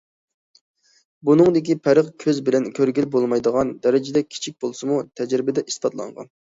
بۇنىڭدىكى پەرق كۆز بىلەن كۆرگىلى بولمايدىغان دەرىجىدە كىچىك بولسىمۇ، تەجرىبىدە ئىسپاتلانغان.